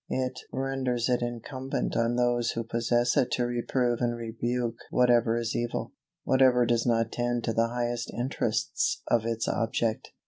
It renders it incumbent on those who possess it to reprove and rebuke whatever is evil whatever does not tend to the highest interests of its object.